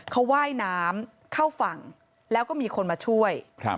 เขาว่ายน้ำเข้าฝั่งแล้วก็มีคนมาช่วย